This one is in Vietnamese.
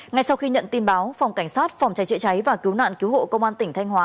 ngay sau khi nhận tin báo phòng cảnh sát phòng cháy chữa cháy và cứu nạn cứu hộ công an tỉnh thanh hóa